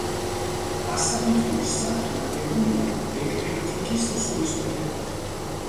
მასალიტინის სახლი აგებულია ეკლექტიკის სულისკვეთებით.